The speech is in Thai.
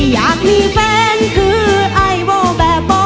อยากมีแฟนคือไอวอลแบบบ่